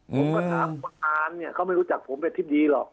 ผมก็ถามคุณอานเนี่ยเขาไม่รู้จักผมเป็นอธิบดีหรอก